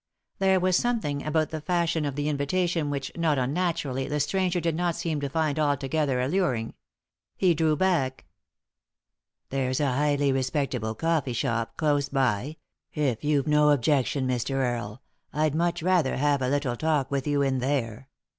There was something about the fashion of the invitation which, not unnaturally, the stranger did not seem to find altogether alluring. He drew back. " There's a highly respectable coffee shop close by ; if you've no objection, Mr. Earle, I'd much rather have 368 ;«y?e.c.V GOOglC THE INTERRUPTED KISS a little talk with you in there.